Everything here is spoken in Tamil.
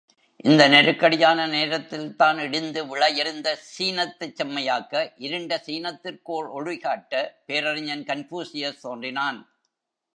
இந்த நெருக்கடியான நேரத்தில்தான் இடிந்து விழயிருந்த சீனத்தைச் செம்மையாக்க, இருண்ட சீனத்திற்கோர் ஒளி காட்ட பேரறிஞன் கன்பூஷியஸ் தோன்றினான்.